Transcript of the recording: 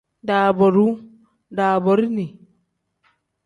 Daabooruu pl: daaboorini n.